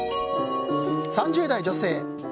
３０代女性。